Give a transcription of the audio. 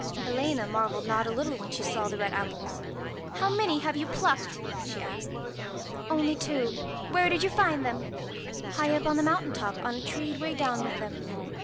Helena marvelled not a little when she saw the red apples. 1 How many have you plucked ?' she asked. ' Only two.' 'Where did you find them?' ' High up, on the mountain top, on a tree weighed down with them.'